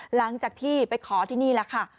หลังจากที่ไปขอที่นี่แหละค่ะ